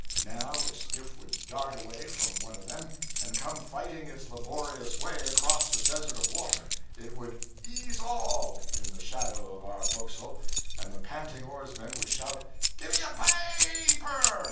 Now a skiff would dart away from one of them, and come fighting its laborious way across the desert of water. It would 'ease all,' in the shadow of our forecastle, and the panting oarsmen would shout, 'Gimme a pa a per!'